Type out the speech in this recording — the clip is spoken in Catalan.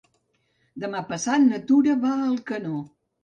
Demà passat na Tura va a Alcanó.